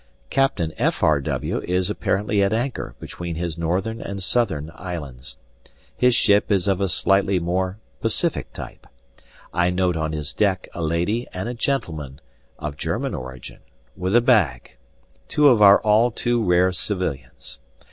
Captain F. R. W. is apparently at anchor between his northern and southern islands. His ship is of a slightly more pacific type. I note on his deck a lady and a gentleman (of German origin) with a bag, two of our all too rare civilians.